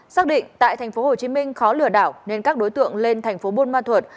xác định tại thành phố hồ chí minh khó lừa đảo nên các đối tượng lên thành phố bôn ma thuột